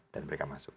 dan mereka masuk